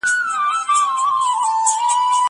که وخت وي، ليکنې کوم!